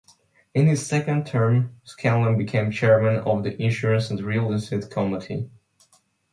In his second term Scanlon became chairman of the Insurance and Real Estate committee.